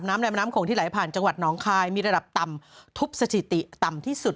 ในแม่น้ำโขงที่ไหลผ่านจังหวัดน้องคายมีระดับต่ำทุบสถิติต่ำที่สุด